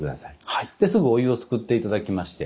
すぐお湯をすくって頂きまして。